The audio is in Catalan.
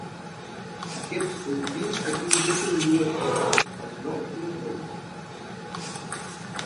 Aquests últims es divideixen en dues sectes: els nous i els vells.